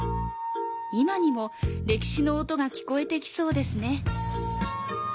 今にも歴史の音が聞こえてきそうですね。